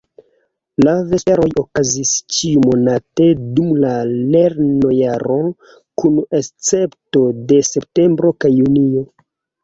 La Vesperoj okazis ĉiumonate dum la lernojaro kun escepto de septembro kaj junio.